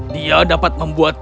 dia dapat membuat